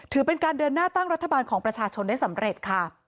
ถือเป็นการเดินหน้าตั้งรัฐบาลของประชาชนได้สำเร็จค่ะ